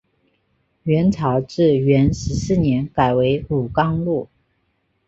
元朝至元十四年改为武冈路。